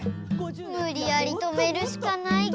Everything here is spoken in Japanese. むりやりとめるしかないか。